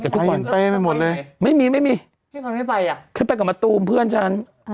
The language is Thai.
แค่ไปกับตูมเพื่อนฉัน